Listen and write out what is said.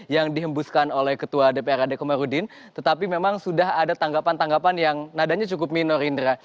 yang dihembuskan oleh ketua dprd komarudin tetapi memang sudah ada tanggapan tanggapan yang nadanya cukup minor indra